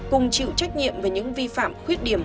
cùng chịu trách nhiệm về những vi phạm khuyết điểm